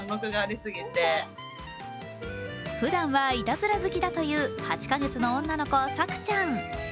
ふだんはいたずら好きだという８カ月の女の子、彩空ちゃん。